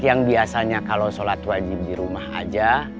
yang biasanya kalau sholat wajib di rumah aja